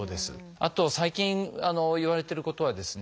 あと最近いわれてることはですね